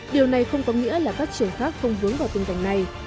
điều này không có nghĩa là các trường khác không vướng vào tình cảnh này